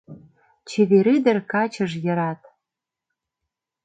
Чевер ӱдыр качыж йырат